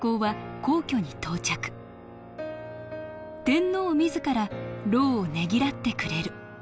天皇自ら労をねぎらってくれる。